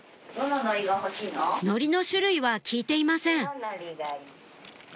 海苔の種類は聞いていません